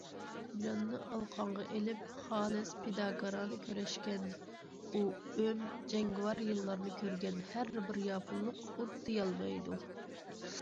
جاننى ئالىقانغا ئېلىپ، خالىس، پىداكارانە كۈرەشكەن ئۇ ئۆم، جەڭگىۋار يىللارنى كۆرگەن ھەربىر ياپونلۇق ئۇنتۇيالمايدۇ.